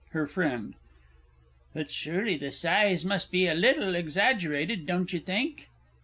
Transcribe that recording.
HER FRIEND. But surely the size must be a little exaggerated, don't you think?